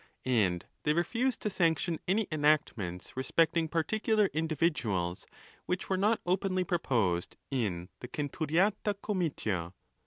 And they refused to sanction any enactments respecting particular individuals which were not openly pro posed in the centuriata comitia.